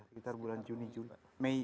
sekitar bulan juni juli